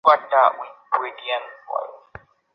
তিনি স্বামীকে তালাক দিতে পারেননি।